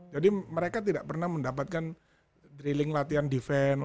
jadi mereka tidak pernah mendapatkan drilling latihan defense